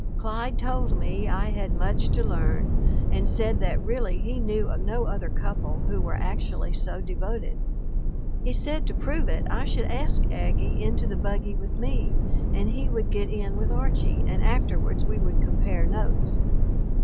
Clyde told me I had much to learn, and said that really he knew of no other couple who were actually so devoted. He said to prove it I should ask Aggie into the buggy with me and he would get in with Archie, and afterwards we would compare notes.